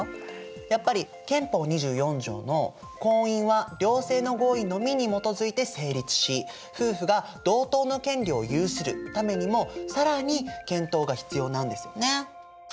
やっぱり憲法２４条の婚姻は両性の合意のみに基づいて成立し夫婦が同等の権利を有するためにも更に検討が必要なんですよね。